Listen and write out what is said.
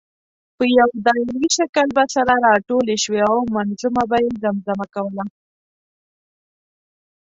په یو دایروي شکل به سره راټولې شوې او منظومه به یې زمزمه کوله.